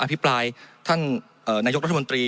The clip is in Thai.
ภิปรายท่านนายกรัฐมนตรี